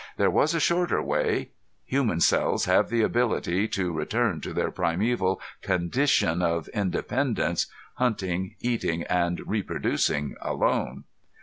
There was a shorter way: Human cells have the ability to return to their primeval condition of independence, hunting, eating and reproducing alone.